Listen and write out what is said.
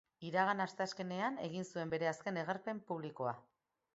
Iragan asteazkenean egin zuen bere azken agerpen publikoa.